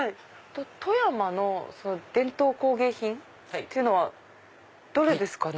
富山の伝統工芸品っていうのはどれですかね？